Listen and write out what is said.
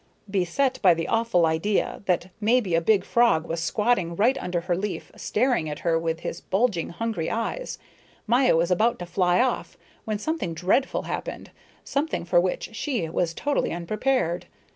Beset by the awful idea that maybe a big frog was squatting right under her leaf staring at her with his bulging hungry eyes, Maya was about to fly off when something dreadful happened, something for which she was totally unprepared.